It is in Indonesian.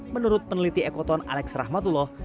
menurut peneliti ekoton alex rahmatullah